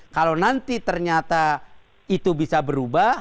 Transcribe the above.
kalau nanti ternyata itu bisa berubah